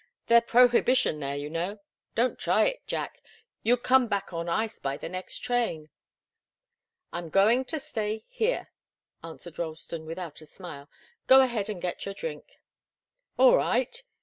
They're prohibition there, you know. Don't try it, Jack; you'd come back on ice by the next train." "I'm going to stay here," answered Ralston, without a smile. "Go ahead and get your drink." "All right!